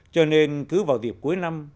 cho nên cứ vào dịp cuối năm